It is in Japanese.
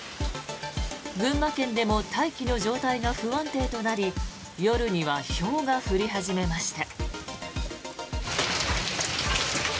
群馬県でも大気の状態が不安定となり夜にはひょうが降り始めました。